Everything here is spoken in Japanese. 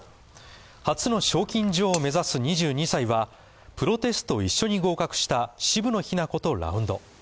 初の賞金女王を目指す２２歳は、プロテストを一緒に合格した渋野日向子とラウンド。